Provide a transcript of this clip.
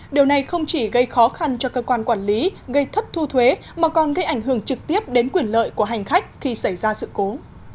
điều này không chỉ gây khó khăn cho cơ quan quản lý gây thất thu thuế mà còn gây ảnh hưởng trực tiếp đến quyền lợi của hành khách khi xảy ra sự cố